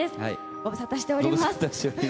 ご無沙汰しております。